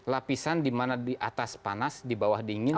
lapisan dimana di atas panas dibawah dingin